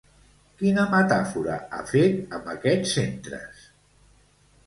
Quina metàfora ha fet amb aquests centres?